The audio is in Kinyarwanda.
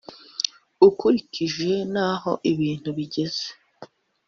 ukurikije n’aho ibintu bigeze